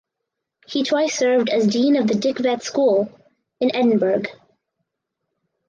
He twice served as Dean of the Dick Vet School in Edinburgh.